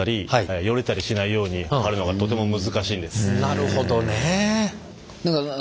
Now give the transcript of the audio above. なるほどね。